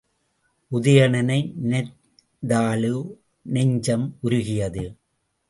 உதயணனை நினைந்தாலோ நெஞ்சம் உருகியது.